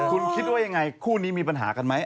คุณคิดว่ายังไงคู่นี้มีปัญหากันไหม